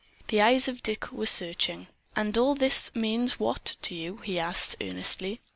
The eyes of Dick were searching. "And all this means what, to you?" he asked earnestly.